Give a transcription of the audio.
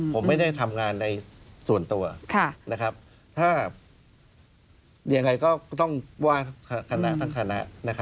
ผมไม่ได้ทำงานในส่วนตัวถ้ายังไงก็ต้องว่าคณะทั้งคณะ